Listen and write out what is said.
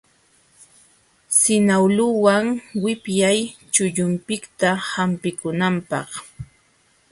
Sinawluwan wipyay chullipiqta hampikunanpaq.